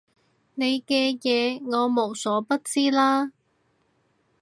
你嘅嘢我無所不知啦